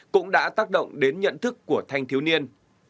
cũng đã tác động đến nhận thức của thanh thiếu niên